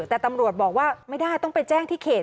แต่ตำรวจบอกว่าไม่ได้ต้องไปแจ้งที่เขต